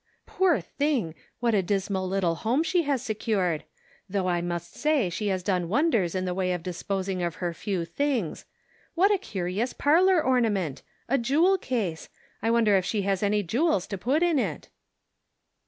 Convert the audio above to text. " Poor thing ; what a dismal little home she has secured ! Though I must say she has done wonders in the way of disposing of her few things. What a curious parlor ornament ! A jewel case. I wonder if she has any jewels to put in it?"